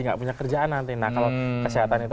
nggak punya kerjaan nanti nah kalau kesehatan itu